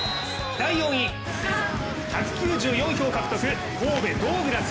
１９４票獲得、神戸・ドウグラス。